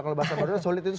kalau bahasa madura solid itu